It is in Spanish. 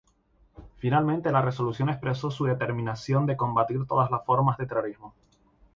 Finalmente, la resolución expresó su determinación de combatir todas las formas de terrorismo.